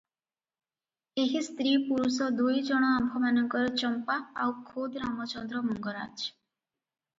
ଏହି ସ୍ତ୍ରୀ ପୁରୁଷ ଦୁଇ ଜଣ ଆମ୍ଭମାନଙ୍କର ଚମ୍ପା ଆଉ ଖୋଦ୍ ରାମଚନ୍ଦ୍ର ମଙ୍ଗରାଜ ।